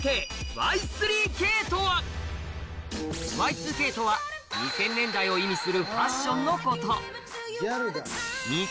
Ｙ２Ｋとは２０００年代を意味するファッションのこと